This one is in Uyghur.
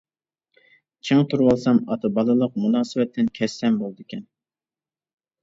چىڭ تۇرۇۋالسام، ئاتا-بالىلىق مۇناسىۋەتتىن كەچسەم بولدىكەن.